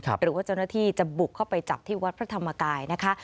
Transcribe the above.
หรือว่าเจ้าหน้าที่จะบุกเข้าไปจับที่วัดพระธรรมกายนะคะ